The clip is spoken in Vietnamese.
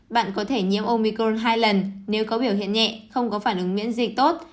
bạn có thể nhiễm omicol hai lần nếu có biểu hiện nhẹ không có phản ứng miễn dịch tốt